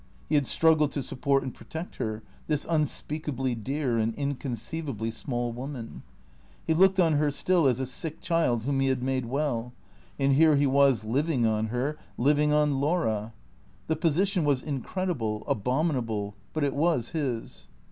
He had struggled to support and protect her, this un speakably dear and inconceivably small woman ; he looked on her still as a sick child whom he had made well, and here he was, living on her, living on Laura. The position was incredible, abominable, but it was his.